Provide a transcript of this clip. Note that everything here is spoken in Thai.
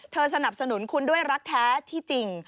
สนับสนุนคุณด้วยรักแท้ที่จริง